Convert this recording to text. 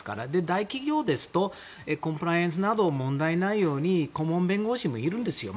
大企業ですとコンプライアンスなど問題のないように顧問弁護士もいるんですよ。